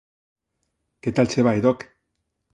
Que tal che vai, Doc?